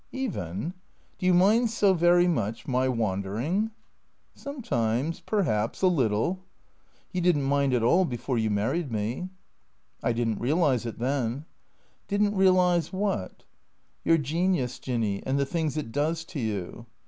" Even ? Do you mind so very much — my wandering ?"" Sometimes, perhaps, a little." " You did n't mind at all before you married me." " I did n't realize it then." "Did n't realize what?" " Your genius. Jinny, and the things it does to you."